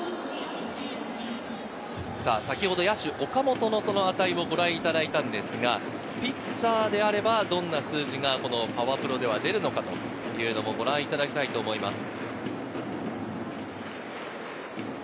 野手・岡本の値をご覧いただきましたが、ピッチャーであれば、どんな数字が『パワプロ』では出るのか、ご覧いただきたいと思います。